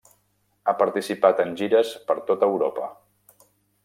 Ha participat en gires per tota Europa.